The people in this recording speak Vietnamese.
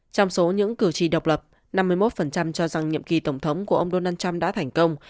trong số những cử tri độc lập năm mươi một cho rằng nhiệm kỳ tổng thống của ông donald trump đã thành công